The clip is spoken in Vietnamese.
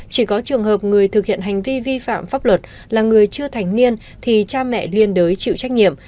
chỉ có trường hợp người thực hiện hành vi vi phạm pháp luật là người chưa thành niên thì cha mẹ liên đối chịu trách nhiệm